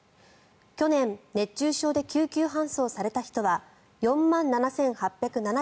去年熱中症で救急搬送された人は４万７８７７人。